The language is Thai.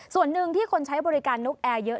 ส่วนหนึ่งที่คนใช้บริการนกแอร์เยอะ